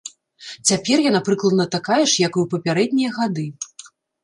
Цяпер яна прыкладна такая ж, як і ў папярэднія гады.